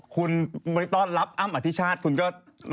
คุณไปต้อนรับอ้ำอธิชาติคุณก็